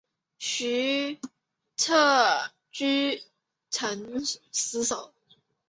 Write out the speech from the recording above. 徐揖据城死守。